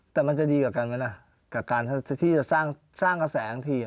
แต่มันจะดีกว่ากันไหมล่ะกับการที่จะสร้างกระแสอีกที